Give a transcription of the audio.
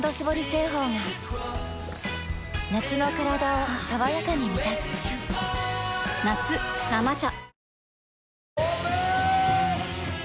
製法が夏のカラダを爽やかに満たす夏「生茶」